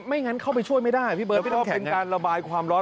ไม่งั้นเข้าไปช่วยไม่ได้พี่เบิร์ดพี่น้ำแข็งแล้วก็เป็นการระบายความร้อน